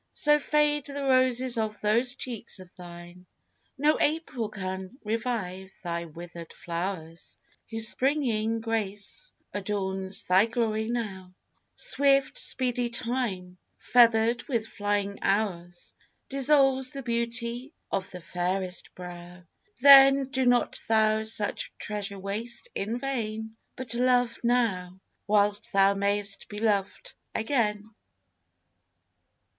So fade the roses of those cheeks of thine! No April can revive thy withered flowers, Whose springing grace adorns thy glory now: Swift speedy Time, feathered with flying hours, Dissolves the beauty of the fairest brow. Then do not thou such treasure waste in vain, But love now, whilst thou may'st be loved again.